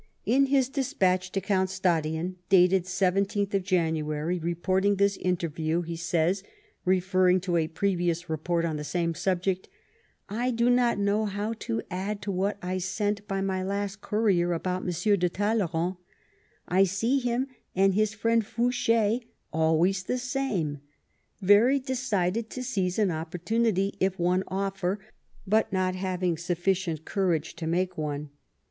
In his despatch to Count Stadion,, dated 17th January, reporting this interview, he says, referring to a previous report on the same subject :" I do not know how to add to what I sent by my last courier about M. de Talleyrand. I see him, and his friend Fouche, always the same — very decided to seize an opportunity, if one offer, but not having sufficient courage to make one."